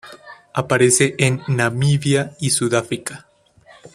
Aparece en Namibia y Sudáfrica.